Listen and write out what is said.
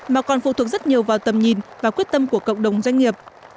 mà còn phụ thuộc rất nhiều vào tầm nhìn và quyết tâm của cộng đồng doanh nghiệp